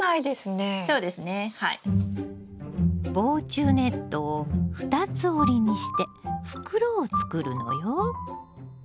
防虫ネットを２つ折りにして袋を作るのよ。